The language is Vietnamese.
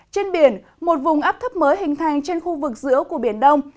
trên biển một vùng áp thấp mới hình thành trên khu vực giữa của biển đông